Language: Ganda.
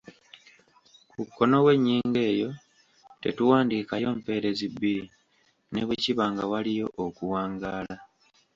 Ku kkono w’ennyingo eyo tetuwandiikayo mpeerezi bbiri ne bwe kiba nga waliyo okuwangaala.